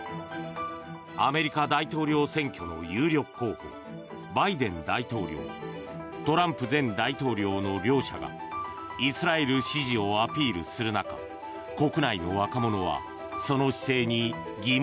アメリカ大統領選挙の有力候補バイデン大統領トランプ前大統領の両者がイスラエル支持をアピールする中姉）